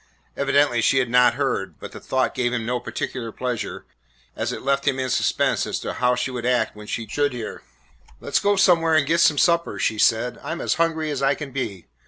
Evidently she had not heard, but the thought gave him no particular pleasure, as it left him in suspense as to how she would act when she should hear. "Let 's go somewhere and get some supper," she said; "I 'm as hungry as I can be.